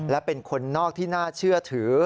และเป็นคนนอกที่น่าเชื่อถือ